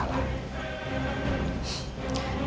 kamu sudah berjaya